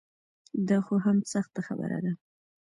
دا خو هم سخته خبره ده.